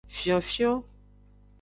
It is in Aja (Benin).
Fionfion.